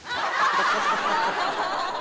「ハハハハ！」